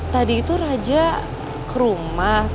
tadi itu raja ke rumah